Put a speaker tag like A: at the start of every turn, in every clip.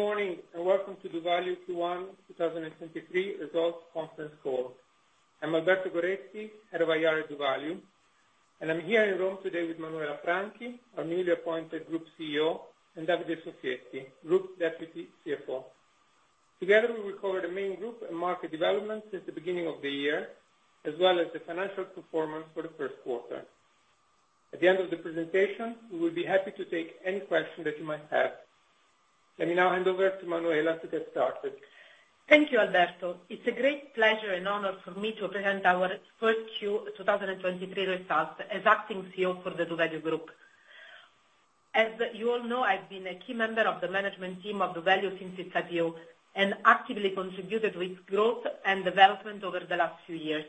A: Good morning, and welcome to doValue Q1 2023 results conference call. I'm Alberto Goretti, Head of IR at doValue, and I'm here in Rome today with Manuela Franchi, our newly appointed Group CEO, and Davide Soffietti Group Deputy CFO. Together, we will cover the main group and market developments since the beginning of the year, as well as the financial performance for the first quarter. At the end of the presentation, we will be happy to take any questions that you might have. Let me now hand over to Manuela to get started.
B: Thank you, Alberto. It's a great pleasure and honor for me to present our first Q 2023 results as acting CEO for the doValue group. As you all know, I've been a key member of the management team of doValue since its IPO, and actively contributed to its growth and development over the last few years,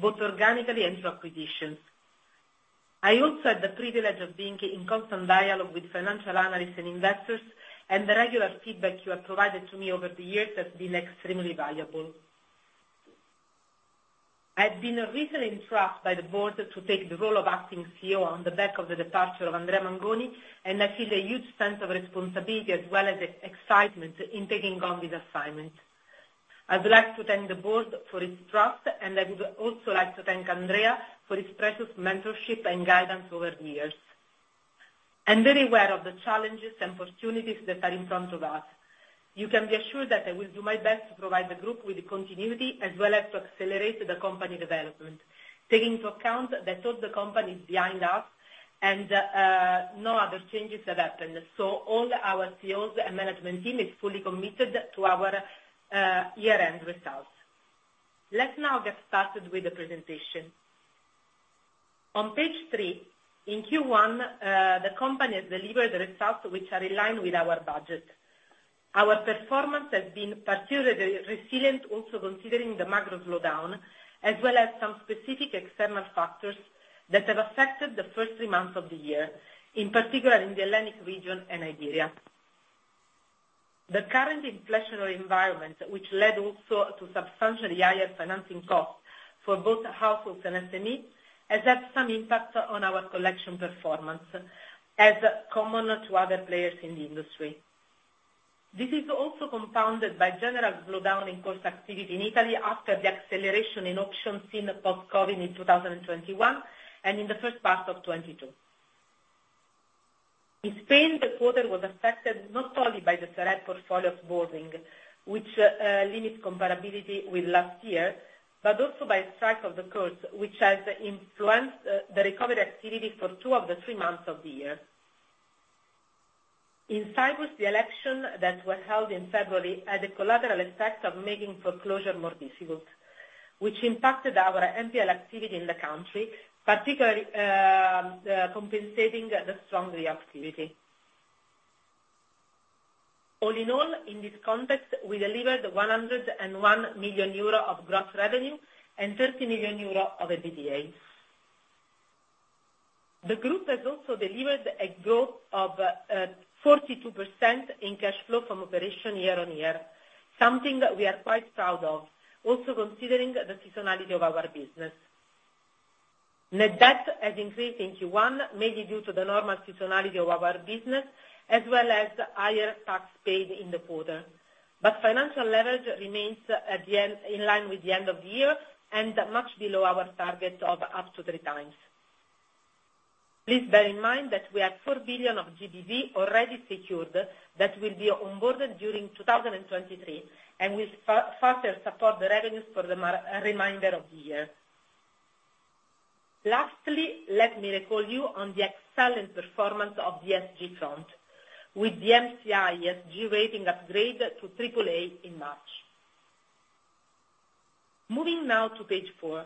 B: both organically and through acquisitions. I also had the privilege of being in constant dialogue with financial analysts and investors, and the regular feedback you have provided to me over the years has been extremely valuable. I've been recently entrusted by the board to take the role of acting CEO on the back of the departure of Andrea Mangoni, and I feel a huge sense of responsibility as well as excitement in taking on this assignment. I'd like to thank the board for its trust, and I would also like to thank Andrea for his precious mentorship and guidance over the years. I'm very aware of the challenges and opportunities that are in front of us. You can be assured that I will do my best to provide the group with continuity as well as to accelerate the company development, taking into account that all the company is behind us and no other changes have happened. All our CEOs and management team is fully committed to our year-end results. Let's now get started with the presentation. On page three, in Q1, the company has delivered the results which are in line with our budget. Our performance has been particularly resilient also considering the macro slowdown, as well as some specific external factors that have affected the first three months of the year, in particular in the Hellenic region and Iberia. The current inflationary environment, which led also to substantially higher financing costs for both households and SMEs, has had some impact on our collection performance, as common to other players in the industry. This is also compounded by general slowdown in cost activity in Italy after the acceleration in auctions seen post-COVID in 2021, and in the first part of 2022. In Spain, the quarter was affected not only by the select portfolio boarding, which limits comparability with last year, but also by strike of the courts, which has influenced the recovery activity for two of the three months of the year. In Cyprus, the election that was held in February had a collateral effect of making foreclosure more difficult, which impacted our NPL activity in the country, particularly, compensating the strong re-activity. All in all, in this context, we delivered 101 million euro of gross revenue and 30 million euro of EBITDA. The group has also delivered a growth of 42% in cash flow from operation year-on-year, something we are quite proud of, also considering the seasonality of our business. Net debt has increased in Q1, mainly due to the normal seasonality of our business, as well as higher tax paid in the quarter. Financial leverage remains at the end, in line with the end of the year and much below our target of up to 3x. Please bear in mind that we have 4 billion of GBV already secured that will be onboarded during 2023 and will further support the revenues for the remainder of the year. Lastly, let me recall you on the excellent performance of the ESG front with the MSCI ESG rating upgrade to AAA in March. Moving now to page four.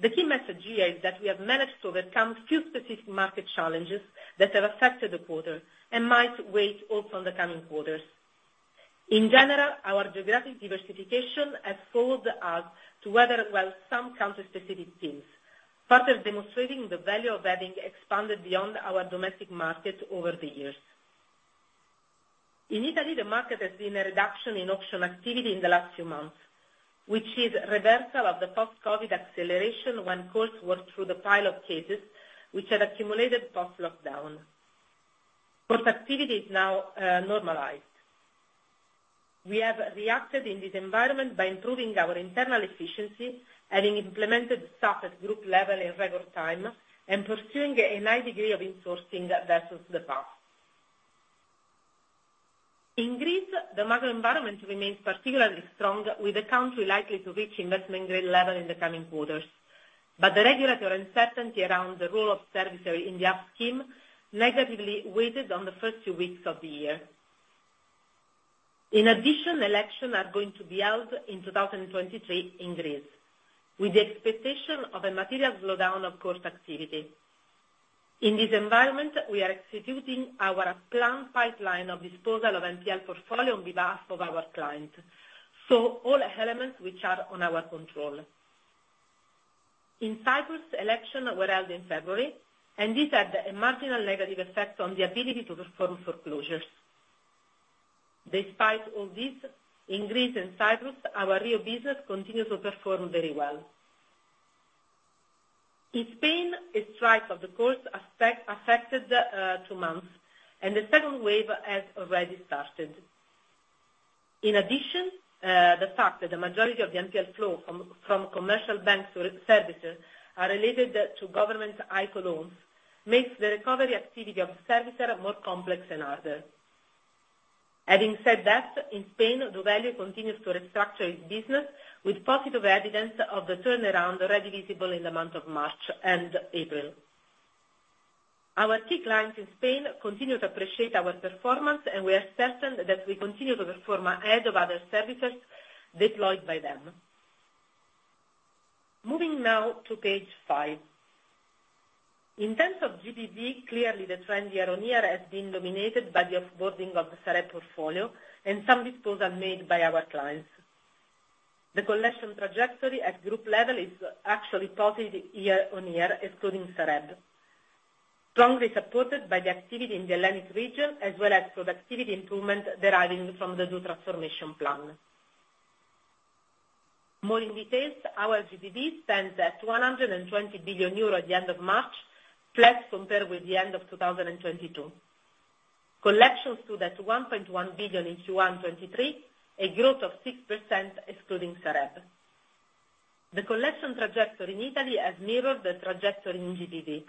B: The key message here is that we have managed to overcome few specific market challenges that have affected the quarter and might wait also on the coming quarters. In general, our geographic diversification has followed us to weather well some country-specific themes, further demonstrating the value of having expanded beyond our domestic market over the years. In Italy, the market has seen a reduction in auction activity in the last few months, which is reversal of the post-COVID acceleration when courts worked through the pile of cases which had accumulated post-lockdown. Court activity is now normalized. We have reacted in this environment by improving our internal efficiency, having implemented staff at group level in record time and pursuing a high degree of insourcing versus the past. In Greece, the macro environment remains particularly strong, with the country likely to reach investment grade level in the coming quarters. The regulatory uncertainty around the role of servicer in the HAPS scheme negatively weighed on the first two weeks of the year. In addition, elections are going to be held in 2023 in Greece, with the expectation of a material slowdown of court activity. In this environment, we are executing our planned pipeline of disposal of NPL portfolio on behalf of our client, so all elements which are on our control. In Cyprus, election were held in February, and this had a marginal negative effect on the ability to perform foreclosures. Despite all this, in Greece and Cyprus, our REO business continues to perform very well. In Spain, a strike of the courts affected two months, the second wave has already started. The fact that the majority of t`he NPL flow from commercial banks to re-servicers are related to government ICO loans makes the recovery activity of servicer more complex and harder. In Spain, doValue continues to restructure its business with positive evidence of the turnaround already visible in the month of March and April. Our key clients in Spain continue to appreciate our performance. We are certain that we continue to perform ahead of other servicers deployed by them. Moving now to page five. In terms of GBV, clearly the trend year-on-year has been dominated by the off-boarding of the Sareb portfolio and some disposals made by our clients. The collection trajectory at group level is actually positive year-on-year, excluding Sareb, strongly supported by the activity in the Hellenic region as well as productivity improvement deriving from the doTransformation plan. More in details, our GBV stands at 120 billion euros at the end of March, flat compared with the end of 2022. Collections stood at 1.1 billion in Q1 2023, a growth of 6% excluding Sareb. The collection trajectory in Italy has mirrored the trajectory in GDP,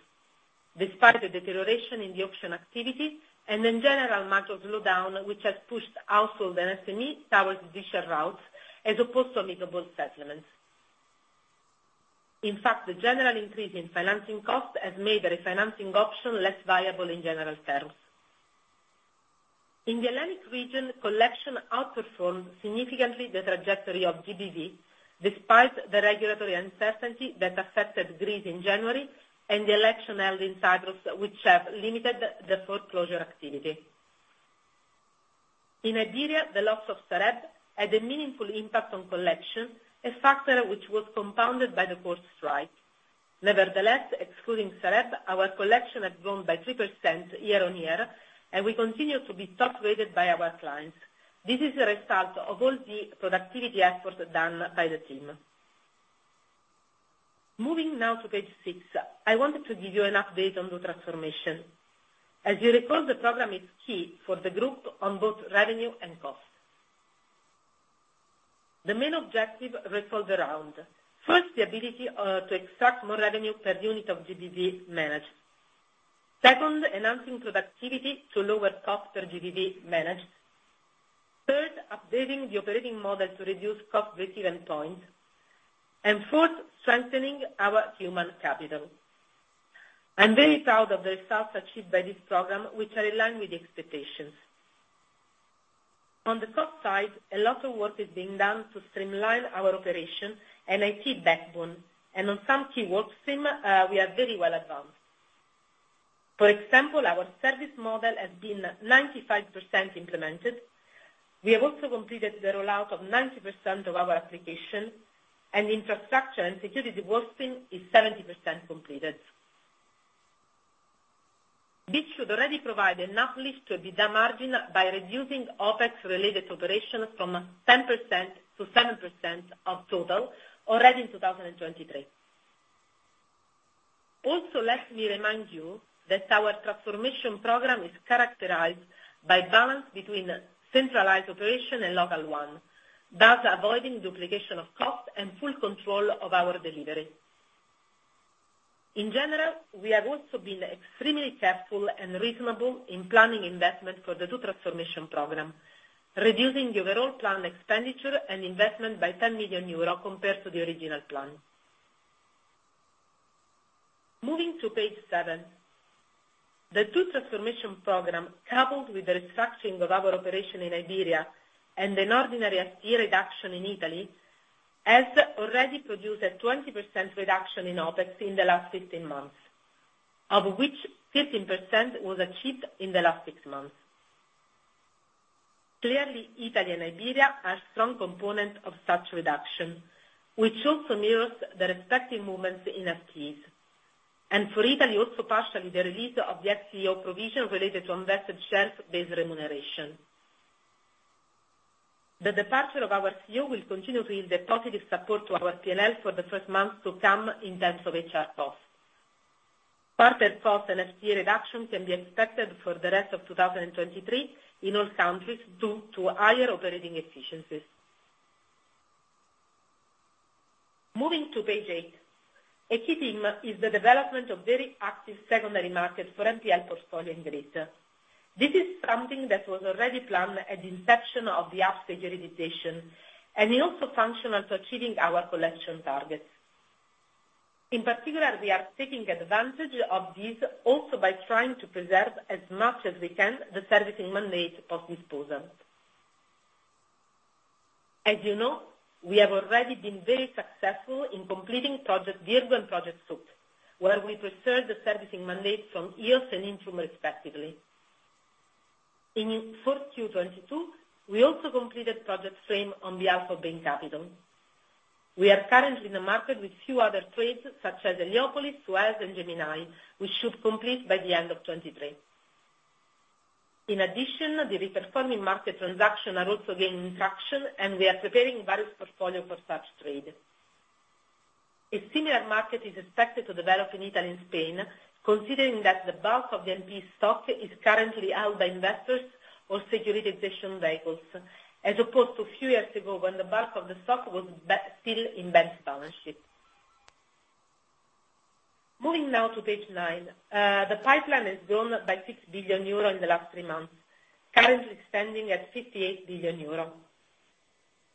B: despite the deterioration in the auction activity and in general much of slowdown which has pushed household and SMEs towards judicial routes as opposed to amicable settlements. In fact, the general increase in financing costs has made the refinancing option less viable in general terms. In the Hellenic region, collection outperformed significantly the trajectory of GDP, despite the regulatory uncertainty that affected Greece in January and the election held in Cyprus, which have limited the foreclosure activity. In Iberia, the loss of Sareb had a meaningful impact on collection, a factor which was compounded by the court strike. Nevertheless, excluding Sareb, our collection has grown by 3% year-on-year, and we continue to be top rated by our clients. This is a result of all the productivity efforts done by the team. Moving now to page six. I wanted to give you an update on doTransformation. As you recall, the program is key for the group on both revenue and cost. The main objective revolves around, first, the ability to extract more revenue per unit of GBV managed. Second, enhancing productivity to lower cost per GBV managed. Third, updating the operating model to reduce cost base end point. Fourth, strengthening our human capital. I'm very proud of the results achieved by this program, which are in line with the expectations. On the cost side, a lot of work is being done to streamline our operation and IT backbone. On some key workstream, we are very well advanced. For example, our service model has been 95% implemented. We have also completed the rollout of 90% of our application, and infrastructure and security workstream is 70% completed. This should already provide enough lift to EBITDA margin by reducing OpEx-related operations from 10% to 7% of total already in 2023. Let me remind you that our transformation program is characterized by balance between centralized operation and local one, thus avoiding duplication of costs and full control of our delivery. We have also been extremely careful and reasonable in planning investment for the doTransformation program, reducing the overall planned expenditure and investment by 10 million euro compared to the original plan. Moving to page seven. The doTransformation program, coupled with the restructuring of our operation in Iberia and an ordinary FTE reduction in Italy, has already produced a 20% reduction in OpEx in the last 15 months, of which 15% was achieved in the last six months. Clearly, Italy and Iberia are strong components of such reduction, which also mirrors the respective movements in FTEs. For Italy, also partially the release of the FCO provision related to unvested share-based remuneration. The departure of our CEO will continue to give the positive support to our P&L for the first months to come in terms of HR costs. Parted costs and FTE reduction can be expected for the rest of 2023 in all countries due to higher operating efficiencies. Moving to page eight. A key theme is the development of very active secondary market for NPL portfolio in Greece. This is something that was already planned at the inception of the HAPS securitization, and it also functional to achieving our collection targets. In particular, we are taking advantage of this also by trying to preserve as much as we can the servicing mandate post-disposal. As you know, we have already been very successful in completing Project Virgo and Project Souq, where we preserved the servicing mandate from EOS and Intrum respectively. In 4Q 2022, we also completed Project Frame on behalf of Bain Capital. We are currently in the market with few other trades such as Heliopolis, Thales, and Gemini, which should complete by the end of 2023. In addition, the re-performing market transaction are also gaining traction, and we are preparing various portfolio for such trade. A similar market is expected to develop in Italy and Spain, considering that the bulk of the NPL stock is currently held by investors or securitization vehicles, as opposed to a few years ago when the bulk of the stock was still in bank's balance sheet. Moving now to page nine. The pipeline has grown by 6 billion euro in the last three months, currently standing at 58 billion euro.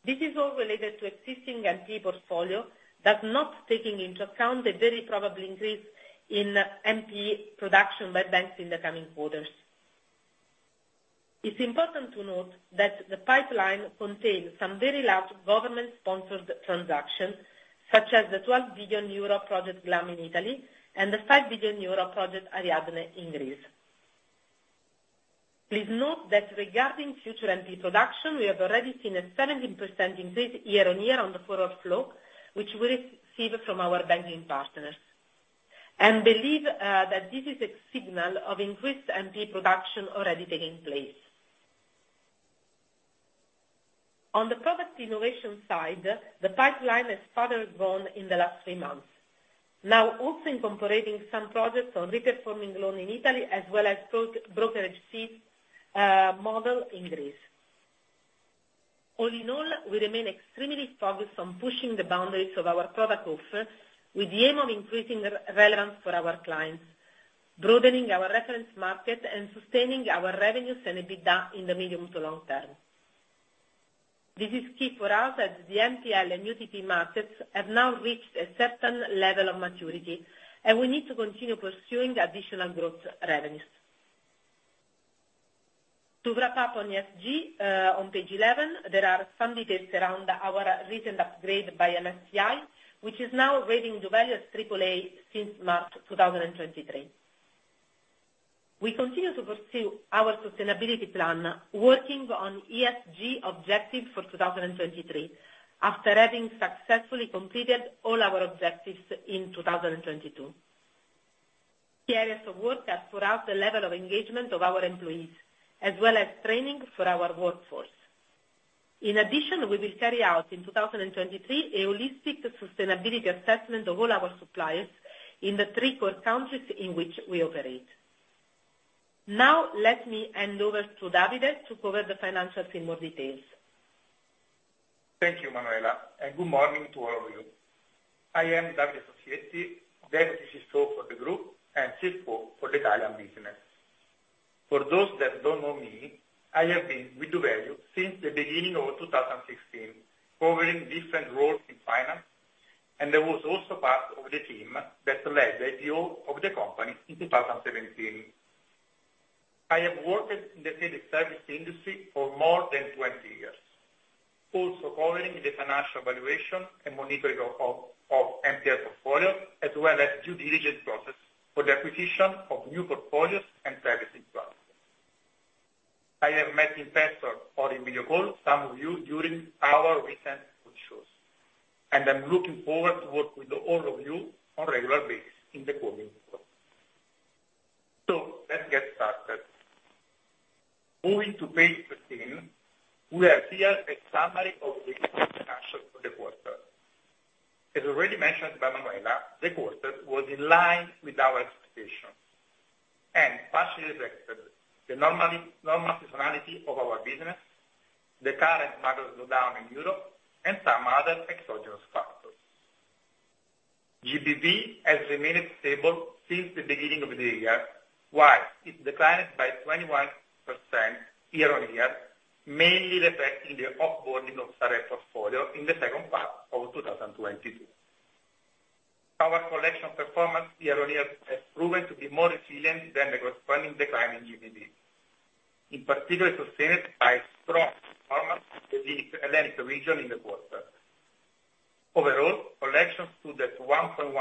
B: This is all related to existing NPL portfolio, that not taking into account the very probably increase in NPL production by banks in the coming quarters. It's important to note that the pipeline contains some very large government-sponsored transactions, such as the 12 billion euro Project GLAM in Italy and the 5 billion euro Project Ariadne in Greece. Please note that regarding future NPL production, we have already seen a 17% increase year-on-year on the forward flow, which we receive from our banking partners. Believe that this is a signal of increased NPL production already taking place. On the product innovation side, the pipeline has further grown in the last three months, now also incorporating some projects on reperforming loan in Italy as well as pro- brokerage fee model in Greece. All in all, we remain extremely focused on pushing the boundaries of our product offer with the aim of increasing relevance for our clients, broadening our reference market, and sustaining our revenues and EBITDA in the medium to long term. This is key for us as the NPL and UTP markets have now reached a certain level of maturity, and we need to continue pursuing additional growth revenues. To wrap up on ESG, on page 11, there are some details around our recent upgrade by MSCI, which is now rating doValue at AAA since March 2023. We continue to pursue our sustainability plan, working on ESG objective for 2023, after having successfully completed all our objectives in 2022. Key areas of work has put out the level of engagement of our employees, as well as training for our workforce. We will carry out in 2023 a holistic sustainability assessment of all our suppliers in the three core countries in which we operate. Let me hand over to Davide to cover the financials in more details.
C: Thank you, Manuela. Good morning to all of you. I am Davide Soffietti, Deputy CFO for the group and CFO for the Italian business. For those that don't know me, I have been with doValue since the beginning of 2016, covering different roles in finance, I was also part of the team that led the IPO of the company in 2017. I have worked in the credit service industry for more than 20 years, also covering the financial valuation and monitoring of NPL portfolio, as well as due diligence process for the acquisition of new portfolios and servicing processes. I have met in person or in video call some of you during our recent roadshows, I'm looking forward to work with all of you on regular basis in the coming quarters. Let's get started. Moving to page 13, we have here a summary of the financial for the quarter. As already mentioned by Manuela, the quarter was in line with our expectations and partially reflected the normal seasonality of our business, the current macro slowdown in Europe, and some other exogenous factors. GBV has remained stable since the beginning of the year, while it declined by 21% year-on-year, mainly reflecting the off-boarding of Sareb portfolio in the second part of 2022. Our collection performance year-on-year has proven to be more resilient than the corresponding decline in GBV, in particular sustained by strong performance in the Greek and Hellenic region in the quarter. Overall, collections stood at 1.1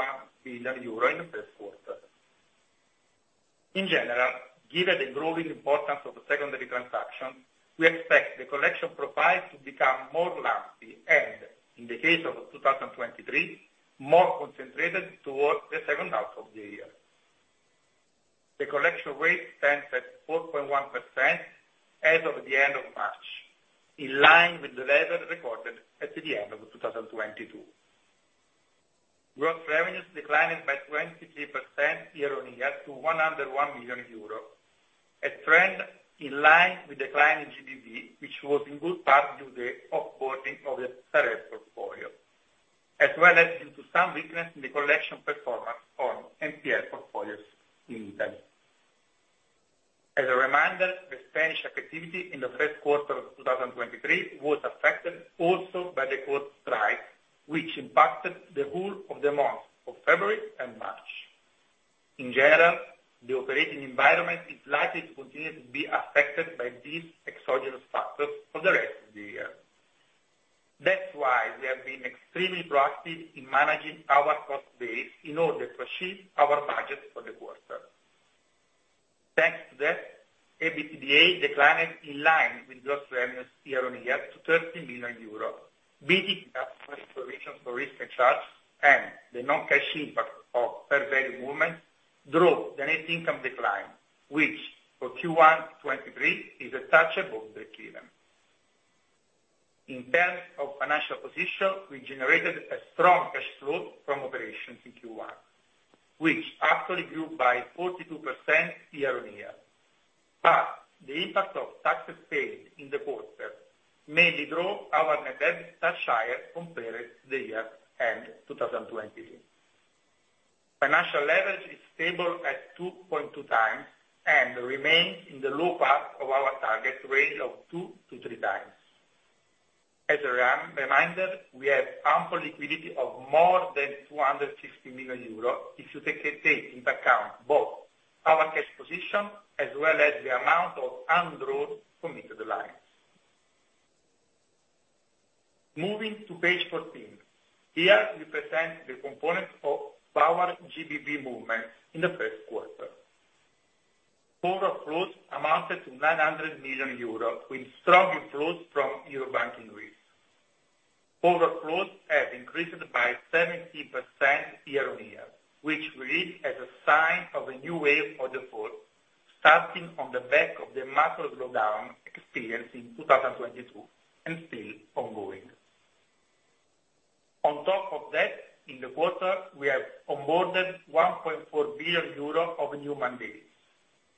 C: billion euro in the first quarter. In general, given the growing importance of the secondary transactions, we expect the collection profile to become more lumpy and, in the case of 2023, more concentrated towards the second half of the year. The collection rate stands at 4.1% as of the end of March, in line with the level recorded at the end of 2022. Gross revenues declined by 23% year-on-year to 101 million euro, a trend in line with decline in GBV, which was in good part due to off-boarding of the Sareb portfolio, as well as due to some weakness in the collection performance on NPL portfolios in Italy. As a reminder, the Spanish activity in the 1st quarter of 2023 was affected also by the court strike, which impacted the whole of the month of February and March. In general, the operating environment is likely to continue to be affected by these exogenous factors for the rest of the year. That's why we have been extremely proactive in managing our cost base in order to achieve our budget for the quarter. Thanks to that, EBITDA declined in line with gross revenues year-on-year to 30 million euros, EBITDA margin. For risk and charge, and the non-cash impact of fair value movement drove the net income decline, which for Q1 2023 is a touch above the given. The impact of taxes paid in the quarter mainly drove our net debt much higher compared to the year-end 2020. Financial leverage is stable at 2.2x and remains in the low part of our target range of 2x-3x. As a reminder, we have ample liquidity of more than 260 million euros if you take into account both our cash position as well as the amount of undrawn committed lines. Moving to page 14. Here we present the components of our GBV movement in the first quarter. Overall flows amounted to 900 million euros with strong inflows from Eurobank in Greece. Overall flows have increased by 70% year-on-year, which we read as a sign of a new wave of default starting on the back of the macro slowdown experienced in 2022, and still ongoing. On top of that, in the quarter, we have onboarded 1.4 billion euros of new mandates.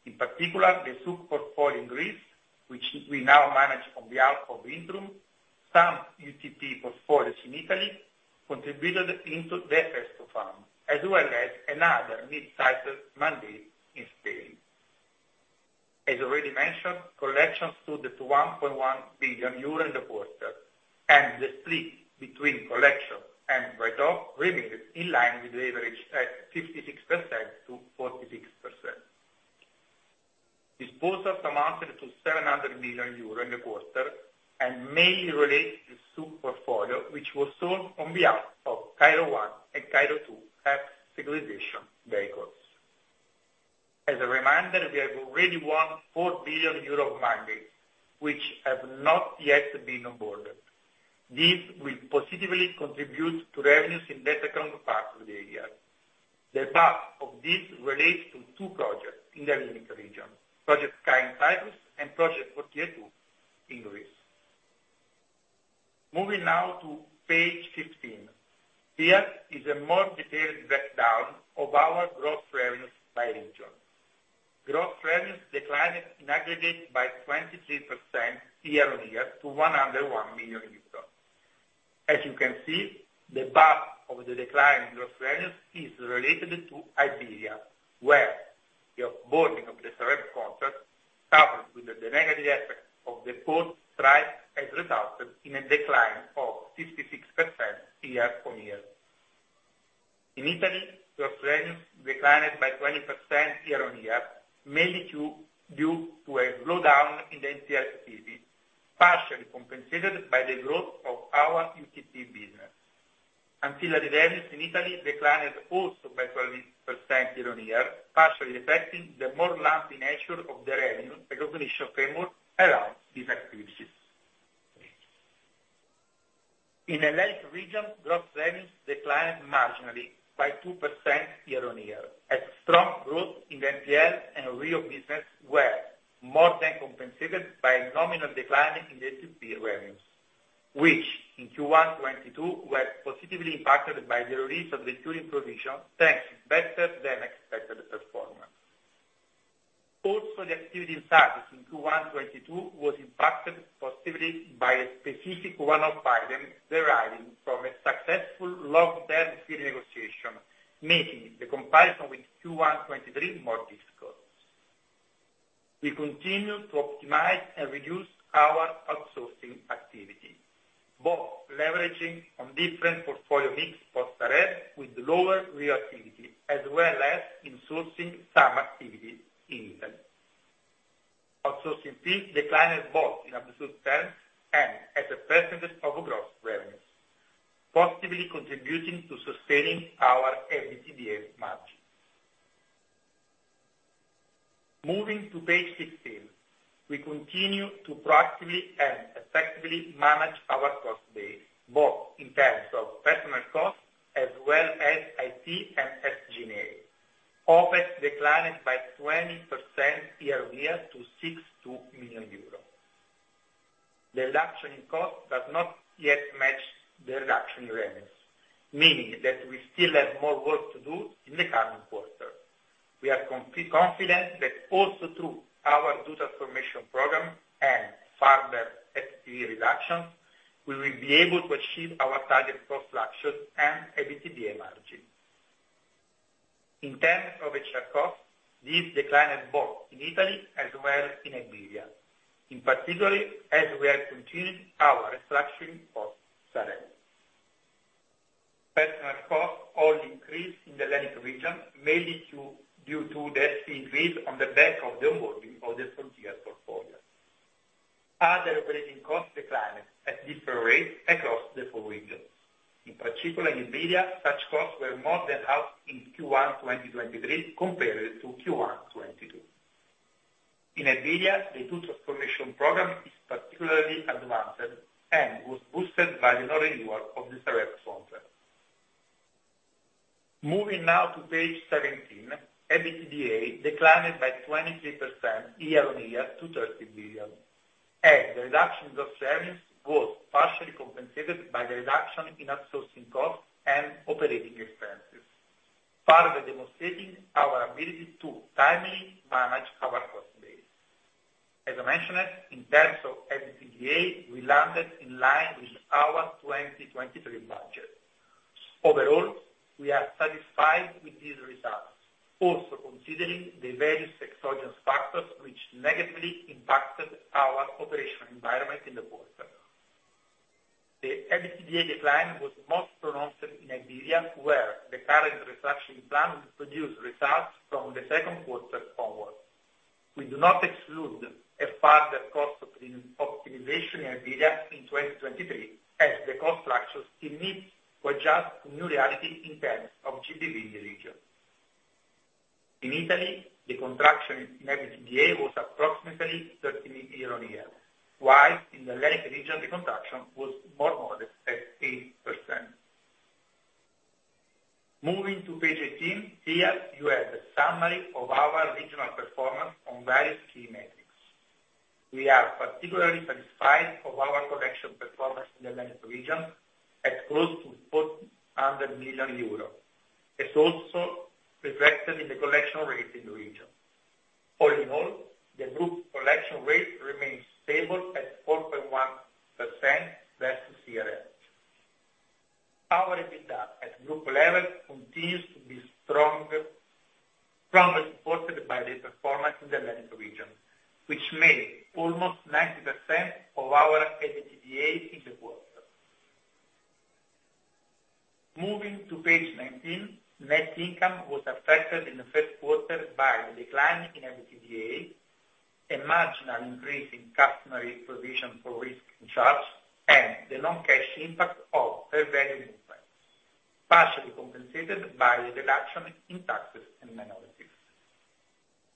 C: In particular, the Souq portfolio in Greece, which we now manage on behalf of Intrum, some UTP portfolios in Italy contributed into the first to fund, as well as another mid-sized mandate in Spain. Already mentioned, collections stood at 1.1 billion euro in the quarter, and the split between collection and write-off remains in line with the average at 56% to 46%. Disposal amounted to 700 million euro in the quarter, mainly relates to Souq portfolio, which was sold on behalf of Cairo I and Cairo II securitization vehicles. A reminder, we have already won 4 billion euro of mandate, which have not yet been onboarded. This will positively contribute to revenues in the second part of the year. The part of this relates to two projects in the Hellenic region, Project Sky in Cyprus and Project Frontier II in Greece. Moving now to page 15. Here is a more detailed breakdown of our gross revenues by region. Gross revenues declined in aggregate by 23% year-on-year to 101 million euros. As you can see, the bulk of the decline in gross revenues is related to Iberia, where the off-boarding of the Sareb contract, coupled with the negative effect of the court strike, has resulted in a decline of 56% year-on-year. In Italy, gross revenues declined by 20% year-on-year, mainly due to a slowdown in the NPL activity, partially compensated by the growth of our UTP business. Fee-related revenues in Italy declined also by 12% year-on-year, partially reflecting the more lumpy nature of the revenue recognition framework around these activities. In the Hellenic region, gross revenues declined marginally by 2% year-on-year, as strong growth in the NPL and REO business were more than compensated by a nominal decline in the UTP revenues, which in Q1 2022 were positively impacted by the release of the curing provision, thanks to better-than-expected performance. The activity in services in Q1 2022 was impacted positively by a specific one-off item deriving from a successful long-dated fee negotiation, making the comparison with Q1 2023 more difficult. We continue to optimize and reduce our outsourcing activity, both leveraging on different portfolio mix post-Sareb with lower reactivity, as well as in-sourcing some activities in Italy. Outsourcing fees declined both in absolute terms and as a percentage of gross revenues, positively contributing to sustaining our EBITDA margin. Moving to page 16. We continue to proactively and effectively manage our cost base, both in terms of personal costs as well as IT and SG&A. OpEx declined by 20% year-on-year to 62 million euros. The reduction in cost does not yet match the reduction in revenues, meaning that we still have more work to do in the coming quarter. We are confident that also through our doTransformation program and further SP reductions, we will be able to achieve our target cost reduction and EBITDA margin. In terms of HR costs, these declined both in Italy as well in Iberia, particularly as we have continued our restructuring post-Sareb. Personnel costs all increased in the Hellenic region, mainly due to the increase on the back of the onboarding of the Frontier portfolio. Other operating costs declined at different rates across the four regions. In particular, Iberia, such costs were more than halved in Q1 2023 compared to Q1 2022. In Iberia, the doTransformation program is particularly advanced and was boosted by the renewal of the direct contract. Moving now to page 17, EBITDA declined by 23% year-on-year to 30 billion, as the reduction of service was partially compensated by the reduction in outsourcing costs and operating expenses, further demonstrating our ability to timely manage our cost base. As I mentioned, in terms of EBITDA, we landed in line with our 2023 budget. Overall, we are satisfied with these results, also considering the various exogenous factors which negatively impacted our operational environment in the quarter. The EBITDA decline was most pronounced in Iberia, where the current reduction plan will produce results from the second quarter forward. We do not exclude a further cost of optimization in Iberia in 2023, as the cost structure still needs to adjust to new reality in terms of GDP in the region. In Italy, the contraction in EBITDA was approximately 13% year-on-year, while in the Hellenic region, the contraction was more modest, at 8%. Moving to page 18, here you have the summary of our regional performance on various key metrics. We are particularly satisfied of our collection performance in the Hellenic region at close to 400 million euro. It's also reflected in the collection rate in the region. All in all, the group collection rate remains stable at 4.1% less the CRS. Our EBITDA at group level continues to be stronger, strongly supported by the performance in the Hellenic region, which made almost 90% of our EBITDA in the quarter. Moving to page 19, net income was affected in the first quarter by the decline in EBITDA, a marginal increase in customary provision for risk charge, and the non-cash impact of fair value movements, partially compensated by the reduction in taxes and minorities.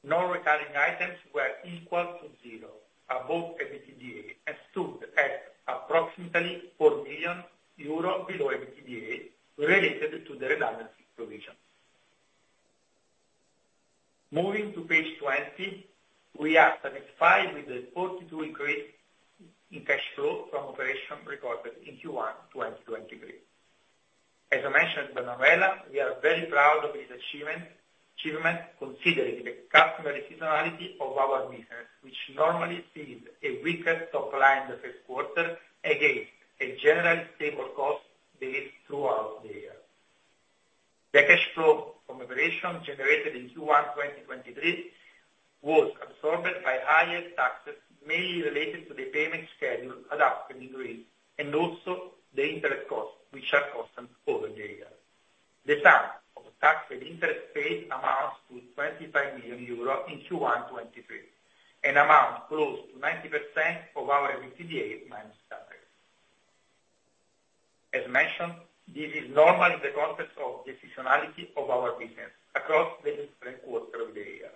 C: Non-recurring items were equal to zero, above EBITDA, and stood at approximately 4 million euro below EBITDA related to the redundancy provisions. Moving to page 20, we are satisfied with the 42 increase in cash flow from operation recorded in Q1 2023. As I mentioned, Manuela, we are very proud of this achievement, considering the customary seasonality of our business, which normally sees a weaker top line in the first quarter against a generally stable cost base throughout the year. The cash flow from operation generated in Q1, 2023, was absorbed by higher taxes, mainly related to the payment schedule adoption degree, and also the interest costs, which are constant over the year. The sum of tax and interest paid amounts to 25 million euros in Q1 2023, an amount close to 90% of our EBITDA minus taxes. As mentioned, this is normal in the context of the seasonality of our business across the different quarter of the year.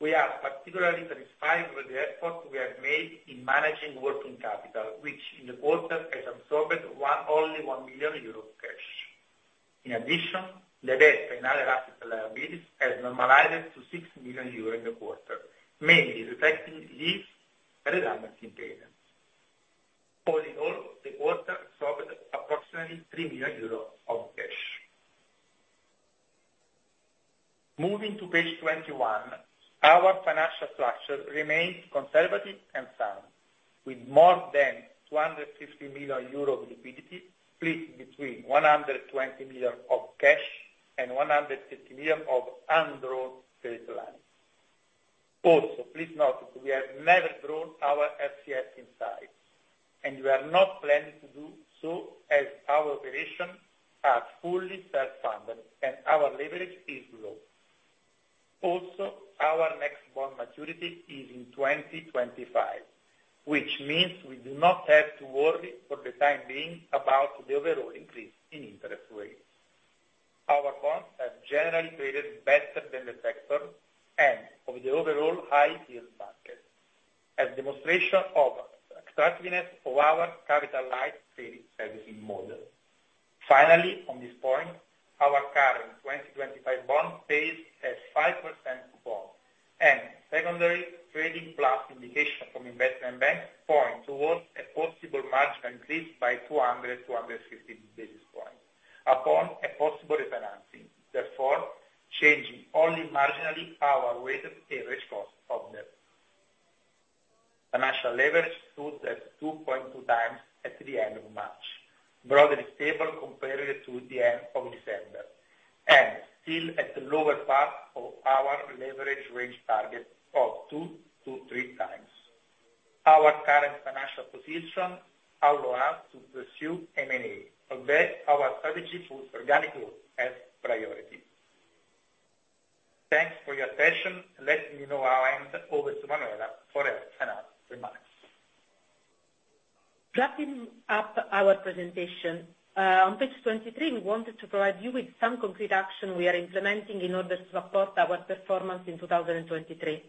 C: We are particularly satisfied with the effort we have made in managing working capital, which in the quarter has absorbed only 1 million euro of cash. In addition, the debt and other asset liabilities has normalized to 6 million euros in the quarter, mainly reflecting these redundancy payments. All in all, the quarter absorbed approximately 3 million euros of cash. Moving to page 21, our financial structure remains conservative and sound, with more than 250 million euro of liquidity split between 120 million of cash and 150 million of undrawn credit lines. Please note we have never drawn our FCS in size, and we are not planning to do so as our operations are fully self-funded and our leverage is low. Our next bond maturity is in 2025, which means we do not have to worry for the time being about the overall increase in interest rates. Our bonds have generally traded better than the sector and of the overall high yield market, a demonstration of the attractiveness of our capital light credit servicing model. Finally, on this point, our current 2025 bond pays a 5% coupon and secondary trading plus indication from investment banks point towards a possible marginal increase by 200-250 basis points upon a possible refinancing. Therefore, changing only marginally our weighted average cost of debt. Financial leverage stood at 2.2x at the end of March, broadly stable compared to the end of December, and still at the lower part of our leverage range target of 2x-3x. Our current financial position allow us to pursue M&A, although our strategy puts organic growth as priority. Thanks for your attention. Let me now hand over to Manuela for her final remarks.
B: Wrapping up our presentation. On page 23, we wanted to provide you with some concrete action we are implementing in order to support our performance in 2023.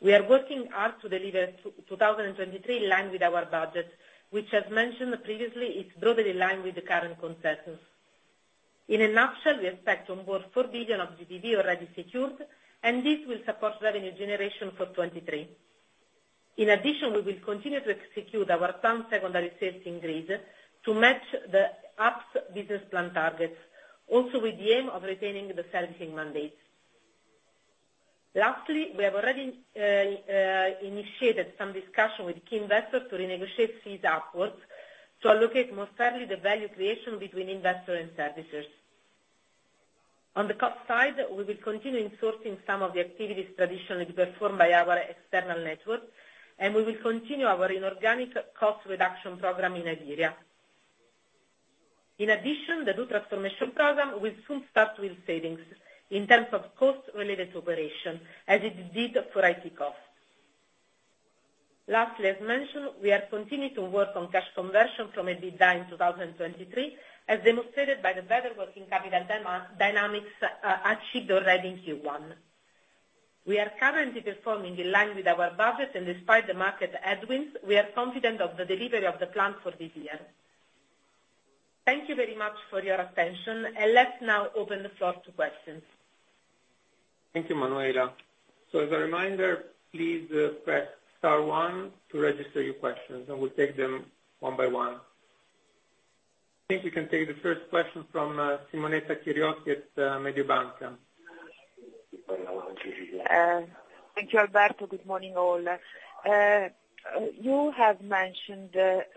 B: We are working hard to deliver 2023 in line with our budget, which as mentioned previously, is broadly in line with the current consensus. In a nutshell, we expect on board 4 billion of GBV already secured, and this will support revenue generation for 2023. In addition, we will continue to execute our planned secondary servicing deals to match the APS business plan targets, also with the aim of retaining the servicing mandates. Lastly, we have already initiated some discussion with key investors to renegotiate fees upwards to allocate more fairly the value creation between investor and servicers. On the cost side, we will continue in sourcing some of the activities traditionally performed by our external network. We will continue our inorganic cost reduction program in Iberia. In addition, the new transformation program will soon start with savings in terms of costs related to operation as it did for IT costs. Lastly, as mentioned, we are continuing to work on cash conversion from a design 2023, as demonstrated by the better working capital dynamics achieved already in Q1. We are currently performing in line with our budget. Despite the market headwinds, we are confident of the delivery of the plan for this year. Thank you very much for your attention. Let's now open the floor to questions.
A: Thank you, Manuela. As a reminder, please, press star one to register your questions, and we'll take them one by one. I think we can take the first question from Simonetta Chiriotti at Mediobanca.
D: Thank you, Alberto. Good morning, all. You have mentioned that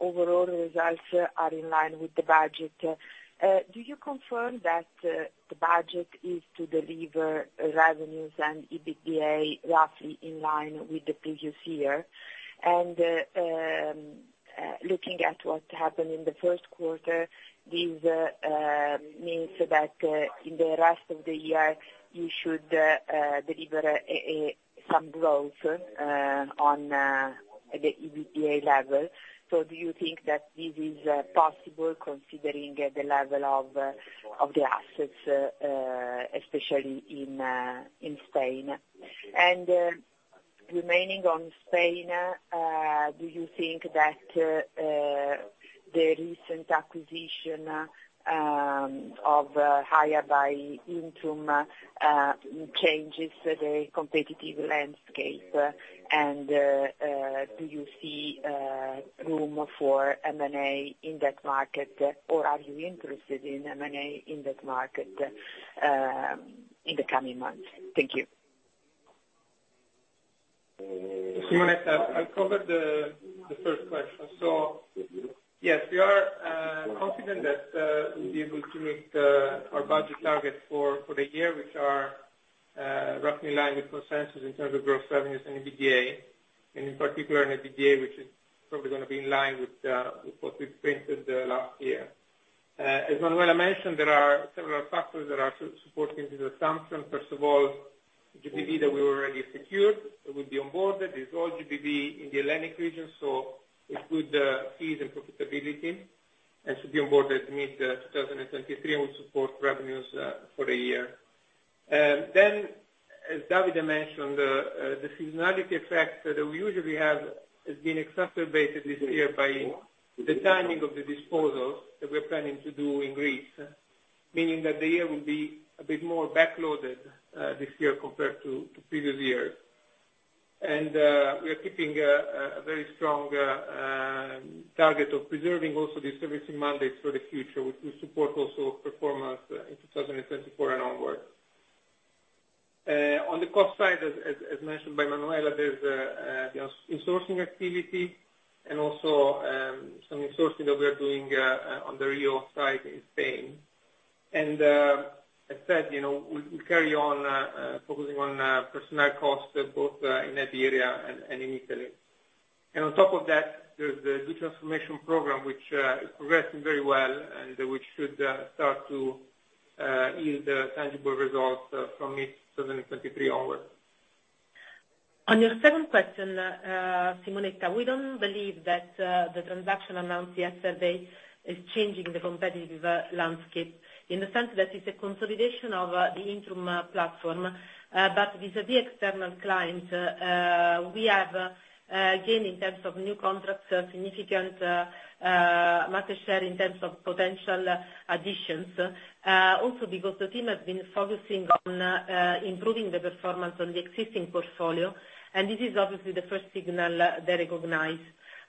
D: overall results are in line with the budget. Do you confirm that the budget is to deliver revenues and EBITDA roughly in line with the previous year? Looking at what happened in the first quarter, this means that in the rest of the year, you should deliver some growth on the EBITDA level. Do you think that this is possible considering the level of the assets, especially in Spain? Remaining on Spain, do you think that the recent acquisition of Haya by Intrum changes the competitive landscape, and do you see room for M&A in that market, or are you interested in M&A in that market in the coming months? Thank you.
A: Simonetta, I'll cover the first question. Yes, we are confident that we'll be able to meet our budget targets for the year, which are roughly in line with consensus in terms of growth revenues and EBITDA, and in particular in EBITDA, which is probably gonna be in line with what we printed last year. As Manuela mentioned, there are several factors that are supporting this assumption. First of all, the GBV that we already secured will be onboarded. It's all GBV in the Hellenic region, so it could ease the profitability and should be onboarded mid-2023 and will support revenues for the year. As Davide mentioned, the seasonality effect that we usually have has been exacerbated this year by the timing of the disposals that we're planning to do in Greece, meaning that the year will be a bit more backloaded this year compared to previous years. We are keeping a very strong target of preserving also the servicing mandate for the future, which will support also performance in 2024 and onward. On the cost side, as mentioned by Manuela, there's, you know, insourcing activity and also some insourcing that we are doing on the REO side in Spain. As said, you know, we carry on focusing on personnel costs both in Iberia and in Italy. On top of that, there's the deTransformation Program which is progressing very well and which should start to yield tangible results from mid-2023 onwards.
B: On your second question, Simonetta, we don't believe that the transaction announced yesterday is changing the competitive landscape in the sense that it's a consolidation of the Intrum platform. Vis-a-vis external clients, we have again, in terms of new contracts, a significant market share in terms of potential additions. Because the team has been focusing on improving the performance on the existing portfolio, and this is obviously the first signal they recognize.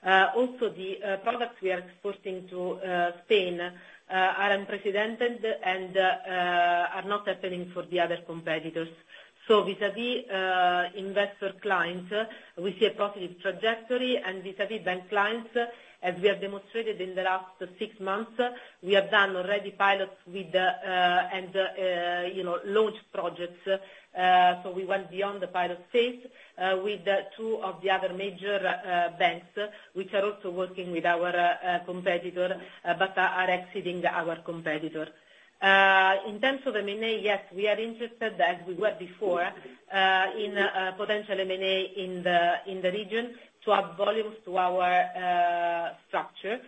B: The products we are exporting to Spain are unprecedented and are not happening for the other competitors. Vis-a-vis investor clients, we see a positive trajectory, and vis-a-vis bank clients, as we have demonstrated in the last six months, we have done already pilots with the and, you know, launch projects. We went beyond the pilot phase with two of the other major banks which are also working with our competitor, but are exceeding our competitor. In terms of M&A, yes, we are interested as we were before in potential M&A in the region to add volumes to our structure,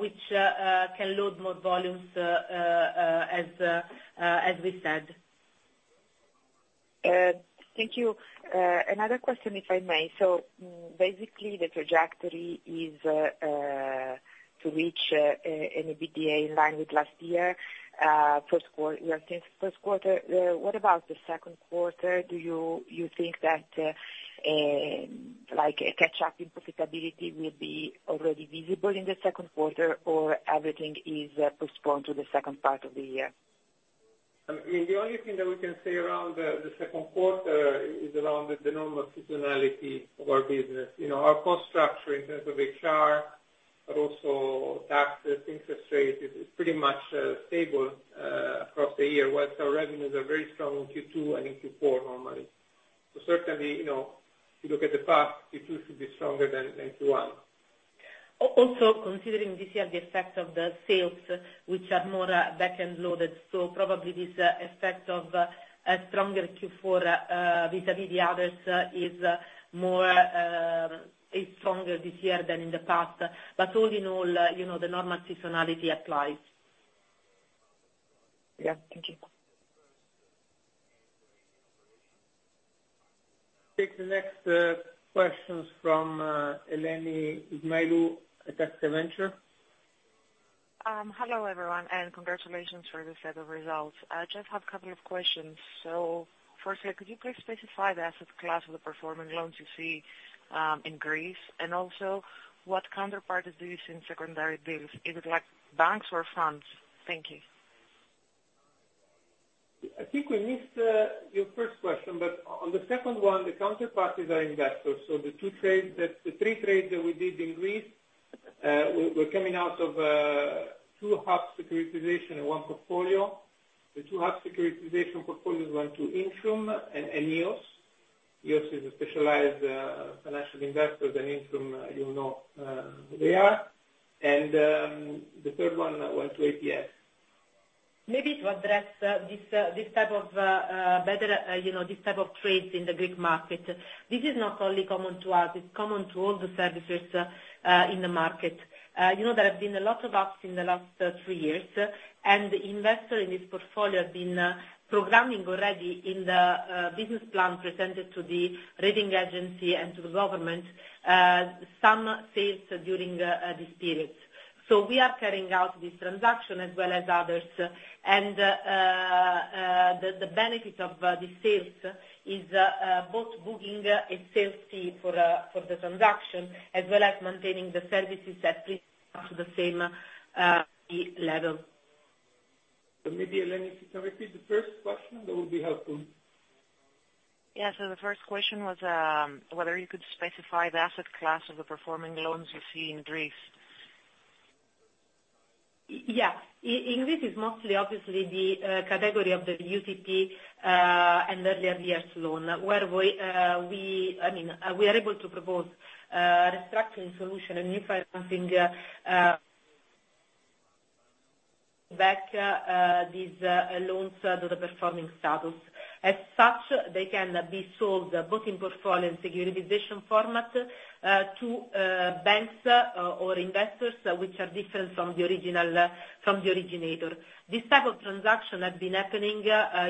B: which can load more volumes as we said.
D: Thank you. Another question, if I may. Basically, the trajectory is to reach an EBITDA in line with last year, first quarter, you have since the first quarter. What about the second quarter? Do you think that, like, a catch-up in profitability will be already visible in the second quarter or everything is postponed to the second part of the year?
A: The only thing that we can say around the second quarter is around the normal seasonality of our business. You know, our cost structure in terms of HR, but also taxes, interest rates, is pretty much stable across the year. Our revenues are very strong in Q2 and in Q4 normally. Certainly, you know, if you look at the past, it used to be stronger than Q1.
B: Also considering this year the effect of the sales, which are more backend loaded. Probably this effect of a stronger Q4, vis-a-vis the others, is more, is stronger this year than in the past. All in all, you know, the normal seasonality applies.
D: Yeah. Thank you.
A: Take the next questions from Eleni Ismailou at AXIA Ventures.
E: Hello, everyone, and congratulations for the set of results. I just have a couple of questions. Firstly, could you please specify the asset class of the performing loans you see in Greece, and also what counterparties do you see in secondary deals? Is it like banks or firms? Thank you.
A: I think we missed your first question, but on the second one, the counterparties are investors. The three trades that we did in Greece were coming out of two hub securitization and one portfolio. The two hub securitization portfolios went to Intrum and EOS. EOS is a specialized financial investor, then Intrum, you know, who they are. The third one went to APS.
B: Maybe to address this type of, better, you know, this type of trades in the Greek market. This is not only common to us, it's common to all the services in the market. You know, there have been a lot of ups in the last three years, the investor in this portfolio has been programming already in the business plan presented to the rating agency and to the government some sales during this period. We are carrying out this transaction as well as others. The benefit of these sales is both booking a sales fee for the transaction as well as maintaining the services that please to the same fee level.
A: Maybe, Eleni, if you can repeat the first question, that would be helpful.
E: Yeah. The first question was, whether you could specify the asset class of the performing loans you see in Greece.
B: Yeah. In Greece it's mostly obviously the category of the UTP and earlier years loan, where we, I mean, we are able to propose restructuring solution and new financing back these loans to the performing status. As such, they can be sold both in portfolio and securitization format to banks or investors which are different from the original from the originator. This type of transaction has been happening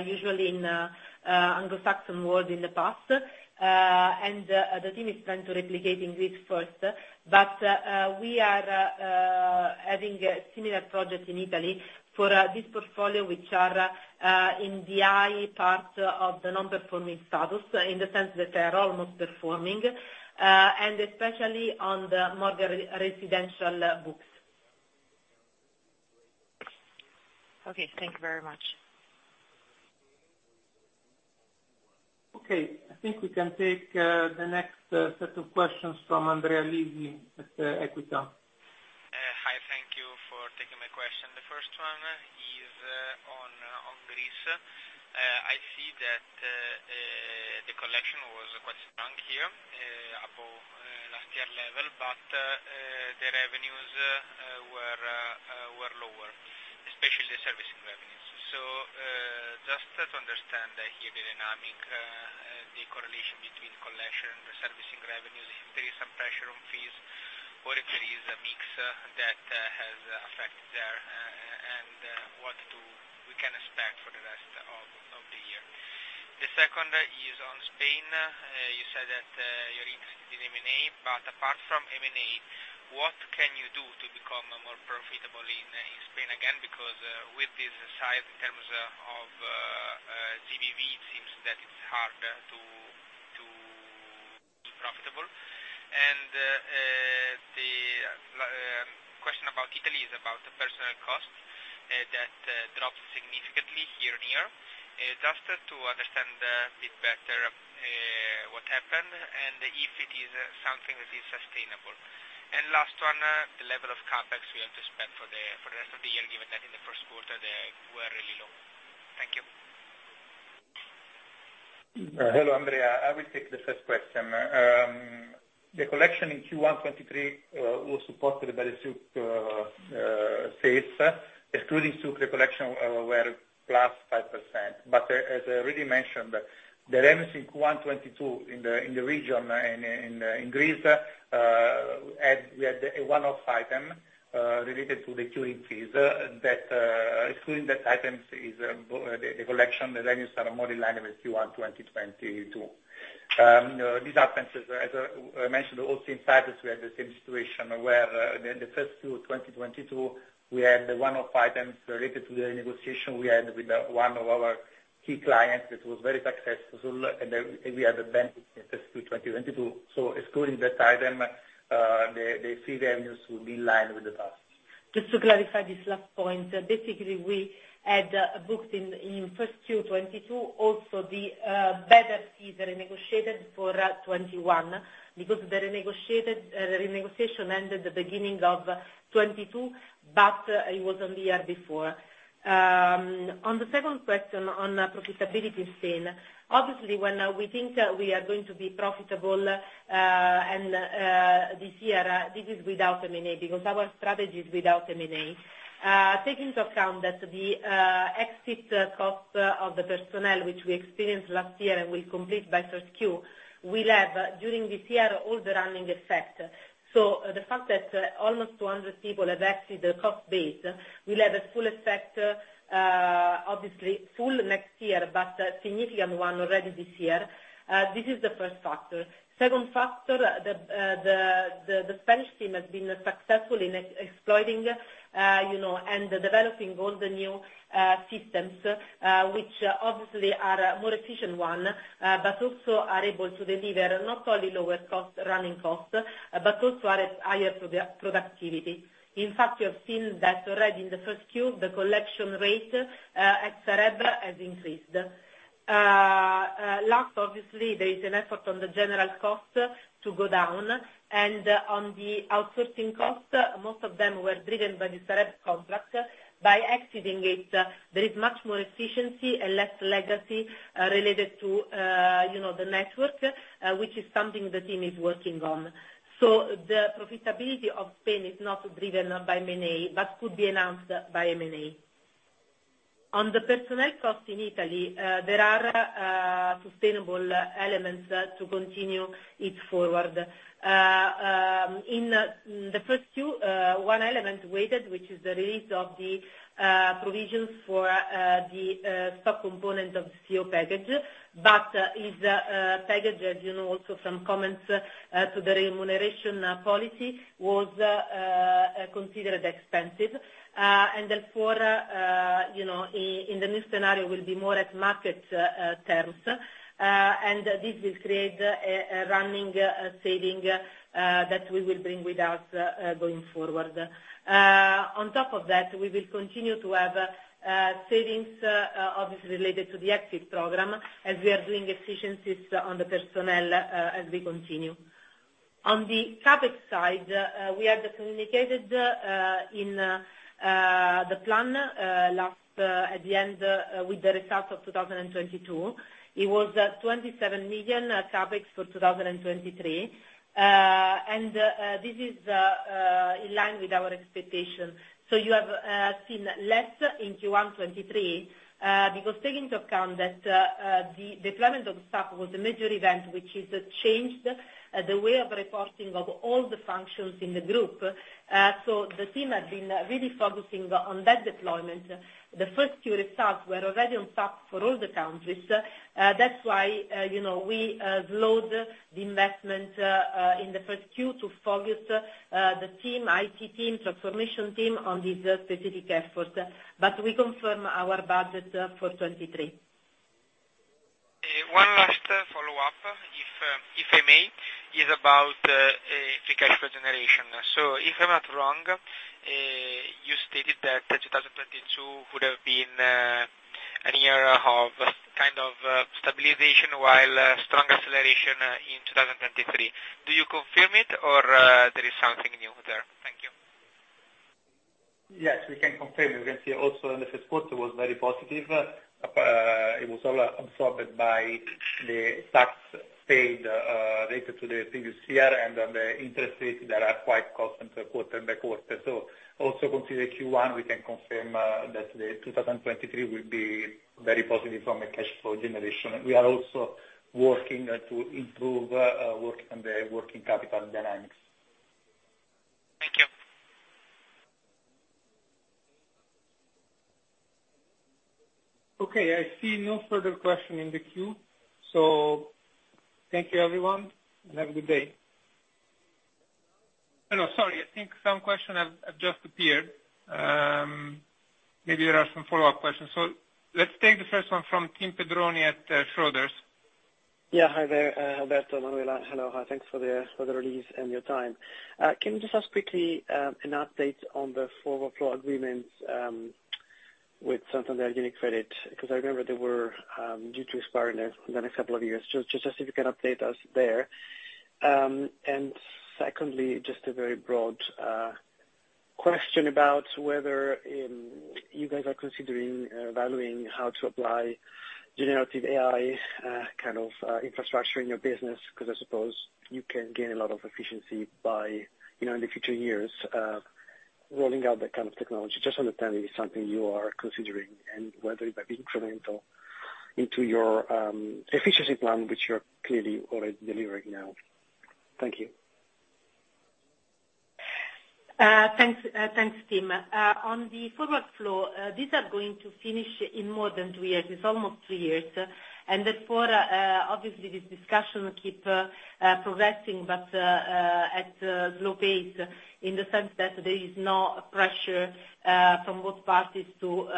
B: usually in Anglo-Saxon world in the past, and the team is trying to replicate in Greece first. We are having a similar project in Italy for this portfolio, which are in the high part of the non-performing status, in the sense that they are almost performing and especially on the mortgage re-residential books.
E: Okay, thank you very much.
A: Okay, I think we can take the next set of questions from Andrea Lisi at Equita.
F: Hi, thank you for taking my question. The first one is on Greece. I see that the collection was quite strong here, above last year level, but the revenues were lower, especially the servicing revenues. Just to understand here the dynamic, the correlation between collection, the servicing revenues, if there is some pressure on fees or if there is a mix that has affected there, and what we can expect for the rest of the year. The second is on Spain. You said that you're interested in M&A, but apart from M&A, what can you do to become more profitable in Spain again? Because with this size in terms of GBV, it seems that it's hard to be profitable. The question about Italy is about the personal costs that dropped significantly year-on-year. Just to understand a bit better what happened and if it is something that is sustainable. Last one, the level of CapEx you have to spend for the rest of the year, given that in the first quarter they were really low. Thank you.
C: Hello, Andrea. I will take the first question. The collection in Q1 2023 was supported by the Souq fees, excluding Souq recollection, were +5%. As I already mentioned, the revenues in Q1 2022 in the region and in Greece, we had a one-off item related to the curing fees that, excluding that items is the collection, the revenues are more in line with Q1 2022. These expenses, as I mentioned, also in Cyprus we had the same situation where the first Q of 2022, we had the one-off items related to the negotiation we had with one of our key clients that was very successful, and then we had a benefit in first Q 2022. Excluding that item, the free revenues will be in line with the past.
B: Just to clarify this last point, basically we had booked in first Q 2022 also the better fees that are negotiated for 2021. Because the renegotiated renegotiation ended the beginning of 2022, but it was on the year before. On the second question on profitability scene, obviously, when we think that we are going to be profitable, and this year, this is without M&A, because our strategy is without M&A. Take into account that the exit cost of the personnel which we experienced last year and will complete by first Q, will have during this year all the running effect. The fact that almost 200 people have exited the cost base will have a full effect, obviously full next year, but a significant one already this year. This is the first factor. Second factor, the Spanish team has been successful in exploring, you know, and developing all the new systems, which obviously are a more efficient one, but also are able to deliver not only lower cost, running costs, but also at higher productivity. In fact, you have seen that already in the first Q, the collection rate at Sareb has increased. Last obviously there is an effort on the general cost to go down, and on the outsourcing cost, most of them were driven by the Sareb contract. By exiting it, there is much more efficiency and less legacy related to, you know, the network, which is something the team is working on. The profitability of Spain is not driven by M&A, but could be enhanced by M&A. On the personnel cost in Italy, there are sustainable elements to continue it forward. In the first Q, one element waited, which is the release of the provisions for the stock component of the CEO package, but is package as you know also from comments to the remuneration policy was considered expensive. Therefore, you know, in the new scenario will be more at market terms. This will create a running saving that we will bring with us going forward. On top of that, we will continue to have savings obviously related to the exit program, as we are doing efficiencies on the personnel as we continue. On the CapEx side, we had communicated in the plan last at the end with the results of 2022. It was 27 million CapEx for 2023. This is in line with our expectations. You have seen less in Q1 2023 because take into account that the deployment of staff was a major event which has changed the way of reporting of all the functions in the group. The team has been really focusing on that deployment. The first two results were already on top for all the countries. That's why, you know, we load the investment in the first Q to focus the team, IT team, transformation team on this specific effort. We confirm our budget for 2023.
F: One last follow-up if I may, is about free cash flow generation. If I'm not wrong, you stated that 2022 would have been a year of kind of stabilization while strong acceleration in 2023. Do you confirm it or there is something new there? Thank you.
C: Yes, we can confirm. We can see also in the first quarter was very positive. It was all absorbed by the tax paid related to the previous year and the interest rates that are quite constant quarter by quarter. Also considering Q1, we can confirm that 2023 will be very positive from a cash flow generation. We are also working to improve work on the working capital dynamics.
F: Thank you.
A: Okay, I see no further question in the queue. Thank you everyone, and have a good day. Hello, sorry, I think some question has just appeared. Maybe there are some follow-up questions. Let's take the first one from Tim Pedroni at Schroders.
G: Hi there, Alberto, Manuela. Hello, hi. Thanks for the for the release and your time. Can you just ask quickly an update on the forward flow agreements with Santander, UniCredit? I remember they were due to expire in the next couple of years. Just see if you can update us there. Secondly, just a very broad question about whether you guys are considering valuing how to apply generative AI kind of infrastructure in your business, because I suppose you can gain a lot of efficiency by, you know, in the future years rolling out that kind of technology. Just understanding if it's something you are considering and whether it might be incremental into your efficiency plan, which you're clearly already delivering now. Thank you.
B: Thanks. Thanks, Tim. On the forward flow, these are going to finish in more than two years. It's almost three years. Therefore, obviously this discussion keep progressing, but at a slow pace in the sense that there is no pressure from both parties to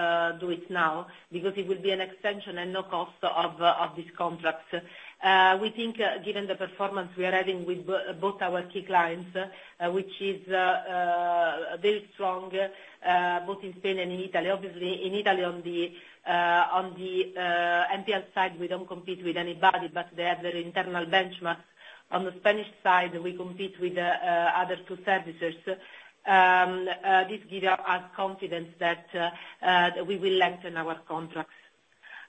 B: do it now because it will be an extension and no cost of these contracts. We think given the performance we are having with both our key clients, which is very strong, both in Spain and in Italy. Obviously in Italy on the NPL side, we don't compete with anybody, but they have their internal benchmarks. On the Spanish side, we compete with other two services. This give us confidence that we will lengthen our contracts.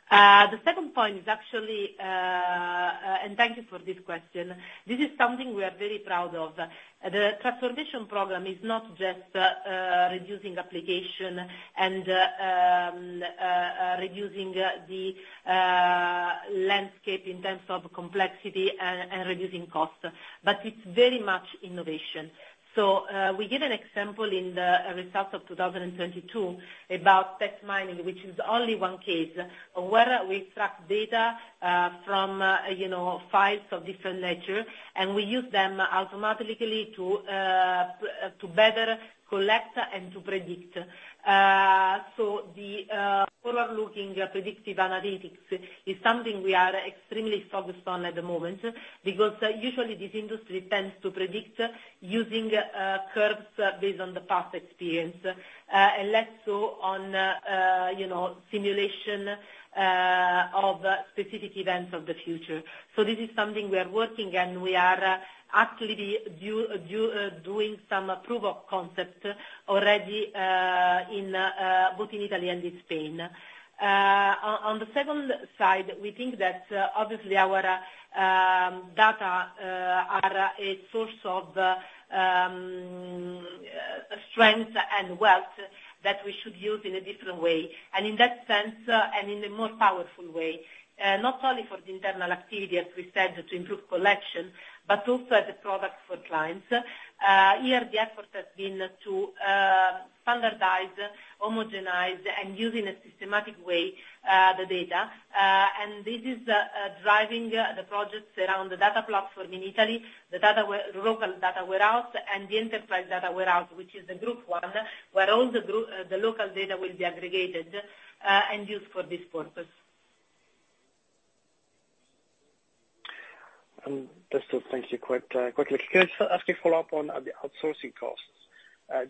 B: The second point is actually, thank you for this question. This is something we are very proud of. The doTransformation program is not just reducing application and reducing the landscape in terms of complexity and reducing costs, but it's very much innovation. We give an example in the results of 2022 about text mining, which is only one case where we track data from, you know, files of different nature, and we use them automatically to better collect and to predict. The forward-looking predictive analytics is something we are extremely focused on at the moment. Because usually this industry tends to predict using curves based on the past experience, and less so on, you know, simulation of specific events of the future. This is something we are working and we are actually doing some proof of concept already in both in Italy and in Spain. On the second side, we think that obviously our data are a source of strength and wealth that we should use in a different way. In that sense, and in a more powerful way, not only for the internal activity, as we said, to improve collection, but also as a product for clients. Here the effort has been to standardize, homogenize, and use in a systematic way the data. This is driving the projects around the data platform in Italy, the local data warehouse, and the enterprise data warehouse, which is the group one, where all the group, the local data will be aggregated and used for this purpose.
G: Just to thank you quick, quickly. Can I just ask you follow up on the outsourcing costs?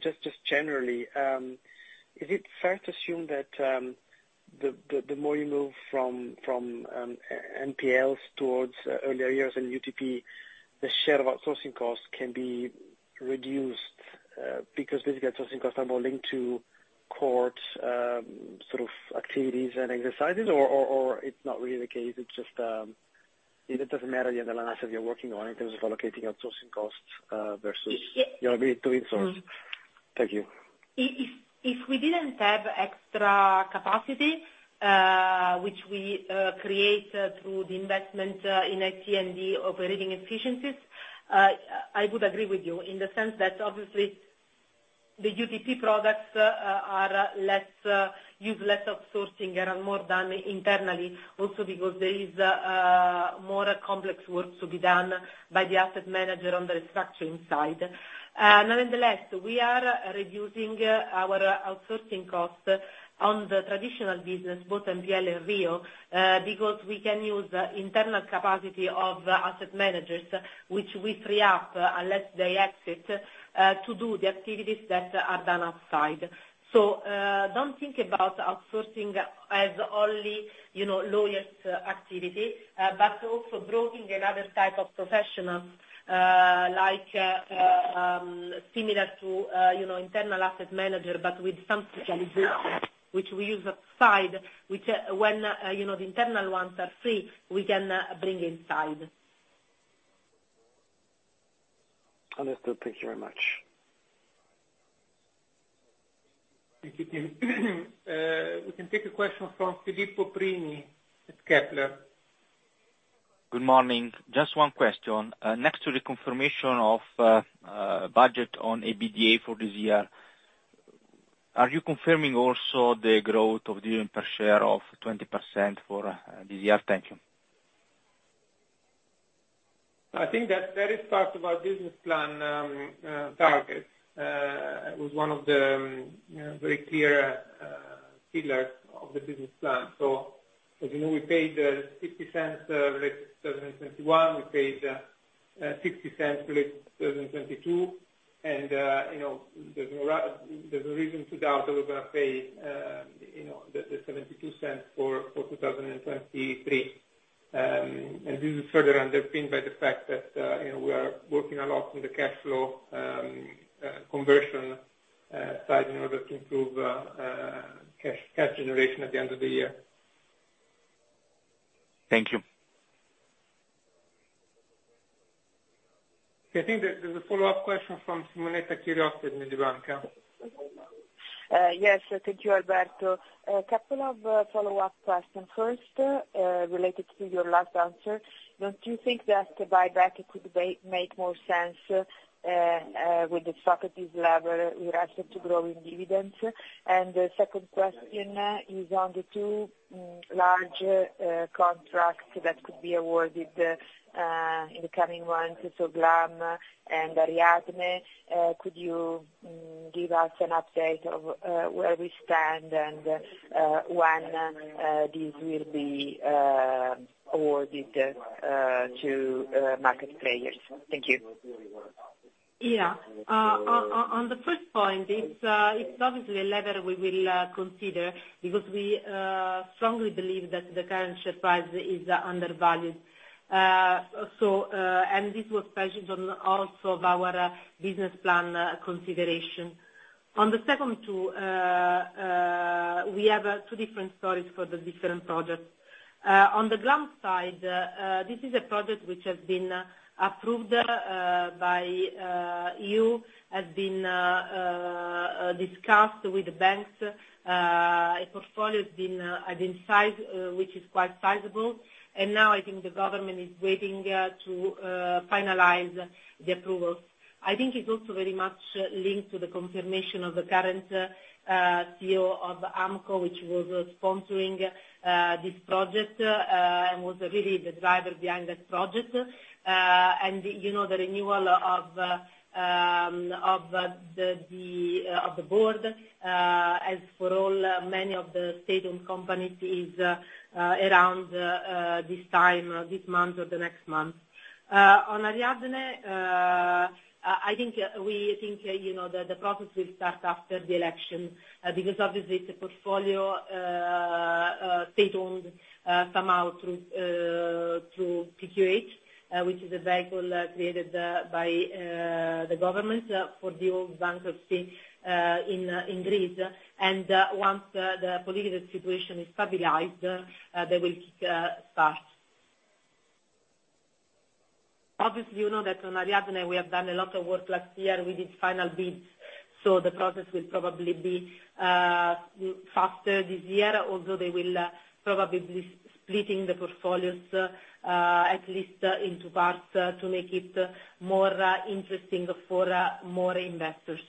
G: Just generally, is it fair to assume that the more you move from NPLs towards earlier years in UTP, the share of outsourcing costs can be reduced, because basically outsourcing costs are more linked to court, sort of activities and exercises? Or it's not really the case, it's just, it doesn't matter the underlying assets you're working on in terms of allocating outsourcing costs, versus?
B: Ye-
G: You're agreeing to insource. Thank you.
B: If we didn't have extra capacity, which we create through the investment in IT and the operating efficiencies, I would agree with you in the sense that obviously the UTP products are less use less outsourcing and are more done internally also because there is more complex work to be done by the asset manager on the restructuring side. Nonetheless, we are reducing our outsourcing costs on the traditional business, both NPL and REO, because we can use internal capacity of asset managers, which we free up unless they exit to do the activities that are done outside. Don't think about outsourcing as only, you know, lowest activity, but also bringing another type of professional, like, similar to, you know, internal asset manager, but with some specialization, which we use outside, which when, you know, the internal ones are free, we can bring inside.
G: Understood. Thank you very much.
A: Thank you, Tim. We can take a question from Filippo Prini at Kepler.
H: Good morning. Just one question. next to the confirmation of budget on EBITDA for this year, are you confirming also the growth of the per share of 20% for this year? Thank you.
A: I think that that is part of our business plan, target. It was one of the, you know, very clear pillars of the business plan. As you know, we paid 0.60 related to 2021. We paid EUR 0.60 related to 2022. You know, there's no reason to doubt that we're gonna pay 0.72 for 2023. This is further underpinned by the fact that, you know, we are working a lot with the cashflow, conversion side in order to improve cash generation at the end of the year. Thank you. I think there's a follow-up question from Simonetta Chiriotti with Mediobanca.
D: Yes. Thank you, Alberto. A couple of follow-up questions. First, related to your last answer, don't you think that the buyback could make more sense with the stock at this level with respect to growing dividends? The second question is on the two large contracts that could be awarded in the coming months, so GLAM and Ariadne. Could you give us an update of where we stand and when these will be awarded to market players? Thank you.
B: On the first point, it's obviously a level we will consider because we strongly believe that the current share price is undervalued. This was presented on also of our business plan consideration. On the second two, we have two different stories for the different projects. On the GLAM side, this is a project which has been approved by you, has been discussed with the banks. A portfolio has been identified, which is quite sizable. Now I think the government is waiting to finalize the approvals. I think it's also very much linked to the confirmation of the current CEO of AMCO, which was sponsoring this project and was really the driver behind this project. You know, the renewal of the board, as for all many of the state-owned companies is around this time, this month or the next month. On Ariadne, we think, you know, the process will start after the election, because obviously it's a portfolio state-owned somehow through PQH, which is a vehicle created by the government for the old bank of state in Greece. Once the political situation is stabilized, they will kick start. You know that on Ariadne we have done a lot of work last year with its final bids, so the process will probably be faster this year, although they will probably be splitting the portfolios at least into parts to make it more interesting for more investors.